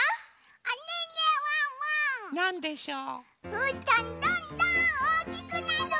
うーたんどんどんおおきくなる！